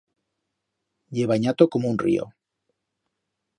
Ye banyato como un río.